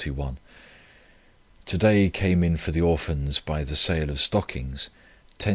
To day came in for the Orphans by the sale of stockings 10s.